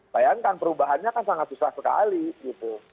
bayangkan perubahannya kan sangat susah sekali gitu